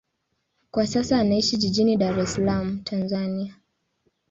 Kwa sasa anaishi jijini Dar es Salaam, Tanzania.